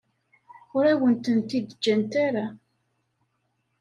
Ur awen-tent-id-ǧǧant ara.